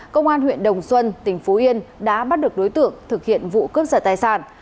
công an huyện đồng xuân tỉnh phú yên đã bắt được đối tượng thực hiện vụ cướp sở tài sản